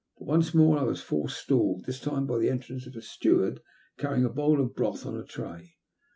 But once more I was forestalled, this time by the entrance of a steward carrying a bowl of broth on a tray.